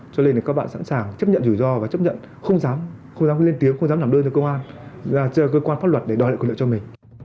cho nên là các bạn sẵn sàng chấp nhận rủi ro và chấp nhận không dám không dám lên tiếng không dám làm đơn cho cơ quan là cơ quan pháp luật để đòi lại quyền lợi cho mình